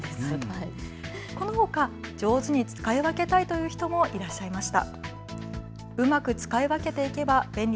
このほか上手に使い分けたいという人もいらっしゃいました。